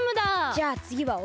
じゃあつぎはおれ。